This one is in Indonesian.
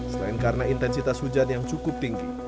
selain karena intensitas hujan yang cukup tinggi